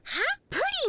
プリン？